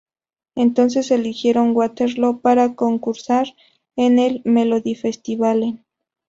Entonces eligieron Waterloo para concursar en el Melodifestivalen.